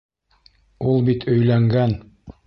Ул бит өйләнгән...